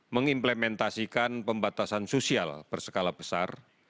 mengimplementasikan pembatasan sosial berskala besar